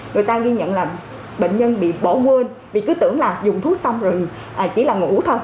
người ta ghi nhận là bệnh nhân bị bỏ quên vì cứ tưởng là dùng thuốc xong rừng chỉ là ngủ thôi